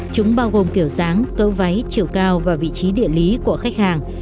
chúng bao gồm kiểu dáng cỗ váy chiều cao và vị trí địa lý của khách hàng